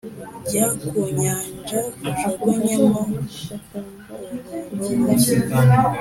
jya ku nyanja ujugunyemo ururobo